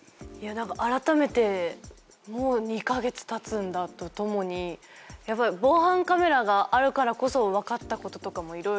改めてもう２か月たつんだとともにやっぱり防犯カメラがあるからこそ分かったこともいろいろ。